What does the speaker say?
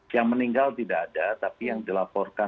yang meninggal tidak ada tapi yang dilaporkan